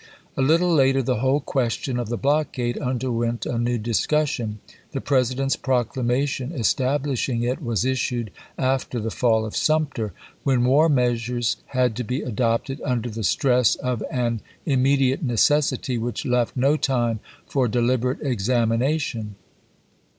A little later the whole question of the blockade underwent a new discussion. The President's proclamation establishing it was issued after the fall of Sumter, when war measures had to be adopted under the stress of an immediate necessity which left no time for dehberate examination.